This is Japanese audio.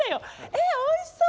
えおいしそう！